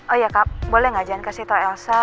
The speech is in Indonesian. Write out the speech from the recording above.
oh iya kak boleh gak jangan kasih tau elsa